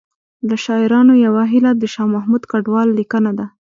له شاعرانو یوه هیله د شاه محمود کډوال لیکنه ده